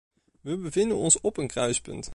We bevinden ons op een kruispunt.